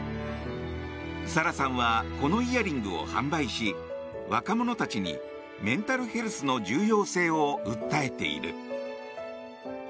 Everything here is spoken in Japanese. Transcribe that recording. サラさんはこのイヤリングを販売し若者たちにメンタルヘルスの重要性を訴えている。